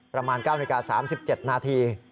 ประมาณ๙นาฬิกา๓๗นาที